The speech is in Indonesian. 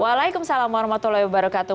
waalaikumsalam warahmatullahi wabarakatuh